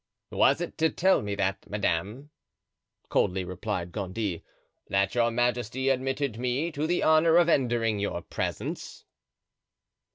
"Was it to tell me that, madame," coldly replied Gondy, "that your majesty admitted me to the honor of entering your presence?"